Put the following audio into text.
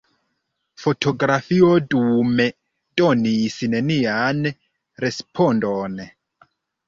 Fotografio dume donis nenian respondon.